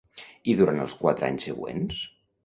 I durant els quatre anys següents?